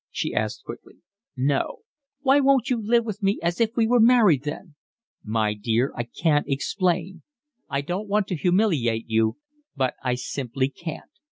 she asked quickly. "No." "Why won't you live with me as if we were married then?" "My dear, I can't explain. I don't want to humiliate you, but I simply can't.